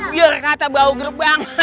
biar kata bau gerbang